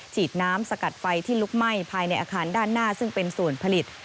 ฉีดน้ำสกัดไฟที่ลุกไหม้ภายในอาคารด้านหน้าซึ่งเป็นส่วนผลิต